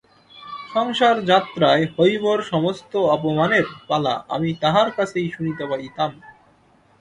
সংসারযাত্রায় হৈমর সমস্ত অপমানের পালা আমি তাহার কাছেই শুনিতে পাইতাম।